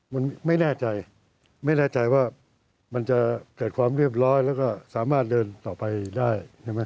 มันไม่แน่ใจไม่แน่ใจว่ามันจะเกิดความเรียบร้อยแล้วก็สามารถเดินต่อไปได้ใช่ไหม